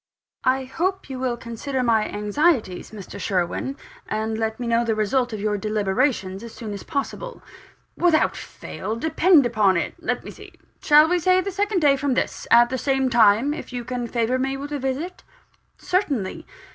"I hope you will consider my anxieties, Mr. Sherwin, and let me know the result of your deliberations as soon as possible." "Without fail, depend upon it. Let me see: shall we say the second day from this, at the same time, if you can favour me with a visit?" "Certainly."